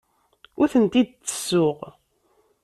Ur tent-id-ttessuɣ.